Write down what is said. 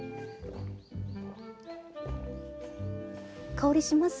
香りします？